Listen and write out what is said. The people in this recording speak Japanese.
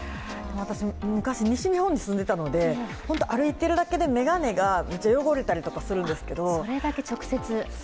昔、西日本に住んでいたので歩いてるだけで眼鏡がめっちゃ汚れたりとかするんですけど。